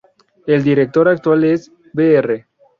El director actual es Br.